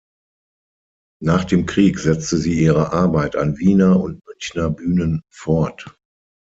Nach dem Krieg setzte sie ihre Arbeit an Wiener und Münchner Bühnen fort.